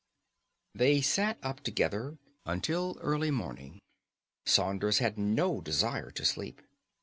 They sat up together until early morning. Saunders had no desire for sleep.